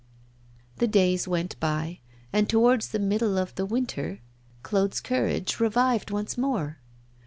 The days went by, and towards the middle of the winter Claude's courage revived once more.